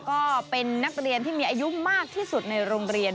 ก็เป็นนักเรียนที่มีอายุมากที่สุดในโรงเรียน